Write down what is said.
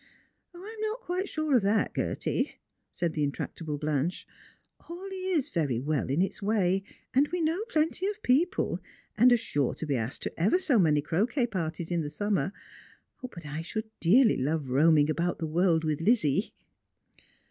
" I'm not quite s" re of that, Gerty," said the intractable Blanche. " Hawleigh is very well in its way, and we know plenty of people, attd are sure to bc^ asked to ever so many croquet parties in the summer. But x should dearly love roam ing about the world with Lizzie."